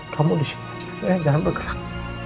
kamu disini jangan bergerak